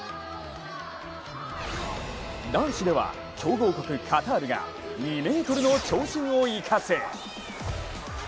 男子では強豪国カタールが２ｍの長身を生かす。